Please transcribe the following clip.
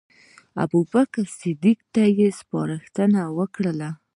ابوبکر صدیق ته یې سپارښتنه وکړه.